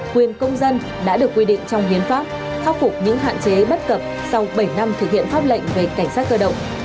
quyền công dân đã được quy định trong hiến pháp khắc phục những hạn chế bất cập sau bảy năm thực hiện pháp lệnh về cảnh sát cơ động